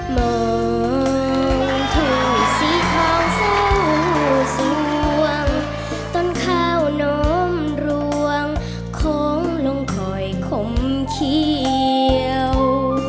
มองถ่วยสีทองสู้สวงต้นข้าวนมร่วงโค้งลงคอยขมเขียว